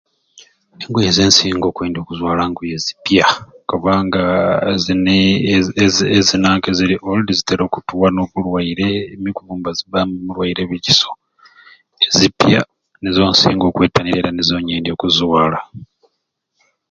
Engweye zensinga okwendya okuzwala ngweye zipyaa kubanga zini ezi ezi ezinanka eziri olidi zitera okutuwa nobulwaire emivumba zibamu obulwaire bikiso, ezipya nizo nsinga okwetanira era nizo nsinga okuzwala.